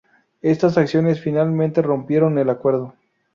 Estas acciones finalmente rompieron el Acuerdo.